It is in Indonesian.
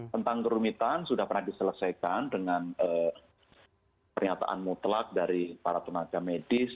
tentang kerumitan sudah pernah diselesaikan dengan pernyataan mutlak dari para tenaga medis